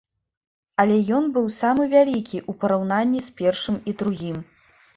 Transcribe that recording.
Але ён быў самы вялікі ў параўнанні з першым і другім.